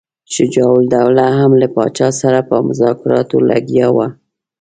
شجاع الدوله هم له پاچا سره په مذاکراتو لګیا وو.